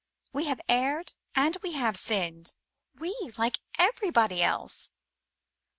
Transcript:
We have erred and we have sinned — ^we, like everybody else.